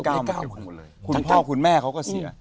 คุณพ่อพุทธคอส่งผลของคุณแม่เขาก็เสีย